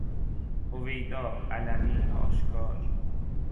هویدا -علنی آشکار